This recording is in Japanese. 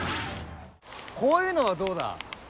こういうのはどうだ。